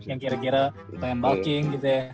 yang kira kira pengen bulking gitu ya